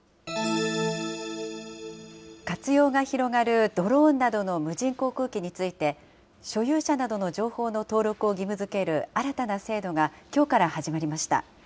活用が広がるドローンなどの無人航空機について、所有者などの情報の登録を義務づける新たな制度がきょうから始まりました。